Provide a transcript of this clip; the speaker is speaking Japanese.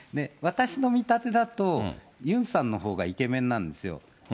私の見立てだと、ユンさんのほうがイケメンなんですよ。